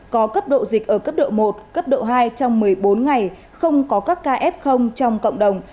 có cấp độ dịch ở cấp độ một cấp độ hai trong một mươi bốn ngày không có các ca f trong cộng đồng